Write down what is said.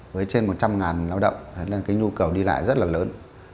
với trên một trăm linh lao động nên cái nhu cầu đi lại rất là lớn